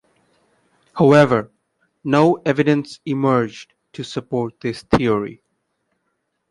However, no evidence emerged to support this theory.